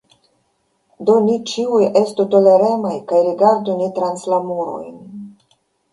Do ni ĉiuj estu toleremaj kaj rigardu ni trans la murojn!